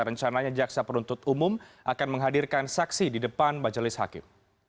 rencananya jaksa penuntut umum akan menghadirkan saksi di depan majelis hakim